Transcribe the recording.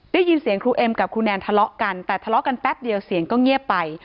ได้ยินเสียงครูเอ็มกับครูแนนทะเลาะกันแต่ทะเลาะกันแป๊บเดียวเสียงก็เงียบไป